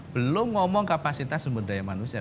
belum ngomong kapasitas sumber daya manusia